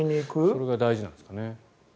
それが大事なんですかね。